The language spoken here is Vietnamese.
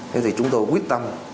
thế thì chúng tôi quyết tâm